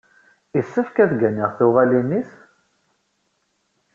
Yessefk ad gganiɣ tuɣalin-is?